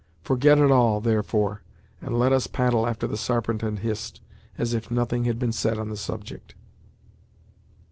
Forget it all, therefore, and let us paddle after the Sarpent and Hist, as if nothing had been said on the subject."